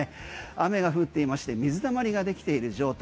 雨が降っていまして水溜りができている状態。